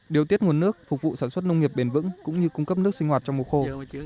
điều tiết nguồn nước phục vụ sản xuất nông nghiệp bền vững cũng như cung cấp nước sinh hoạt trong mùa khô